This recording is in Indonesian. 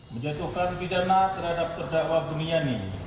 menjatuhkan pidana terhadap terdakwa buniani